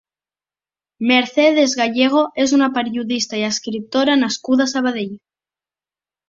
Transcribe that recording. Mercedes Gallego és una periodista i escriptora nascuda a Sabadell.